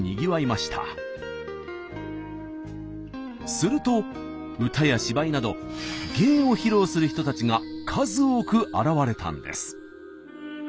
すると歌や芝居など芸を披露する人たちが数多く現れたんです。